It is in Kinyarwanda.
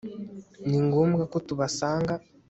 Ni ngombwa ko tubasanga